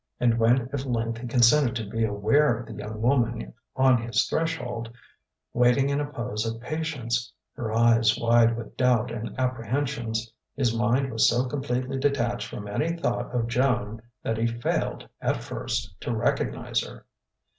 And when at length he consented to be aware of the young woman on his threshold, waiting in a pose of patience, her eyes wide with doubt and apprehensions, his mind was so completely detached from any thought of Joan that he failed, at first, to recognize her.